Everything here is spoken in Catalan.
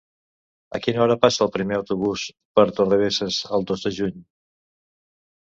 A quina hora passa el primer autobús per Torrebesses el dos de juny?